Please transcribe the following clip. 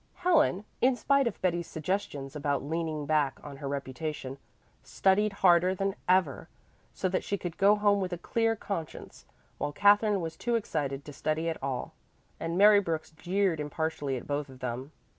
Helen, in spite of Betty's suggestions about leaning back on her reputation, studied harder than ever, so that she could go home with a clear conscience, while Katherine was too excited to study at all, and Mary Brooks jeered impartially at both of them.